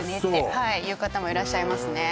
言う方もいらっしゃいますね